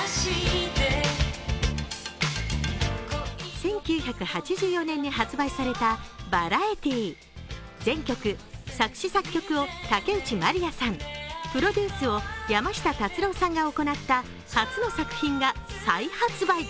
１９８４年に発売された「ＶＡＲＩＥＴＹ」全曲、作詞作曲を竹内まりやさん、プロデュースを山下達郎さんが行った初の作品が再発売。